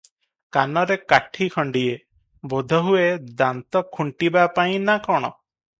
କାନରେ କାଠି ଖଣ୍ଡିଏ- ବୋଧହୁଏ ଦାନ୍ତ ଖୁଣ୍ଟିବା ପାଇଁ ନାଁ କଣ ।